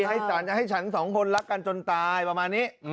ให้ฉัน๒คนรักกันจนตายประมาณนี้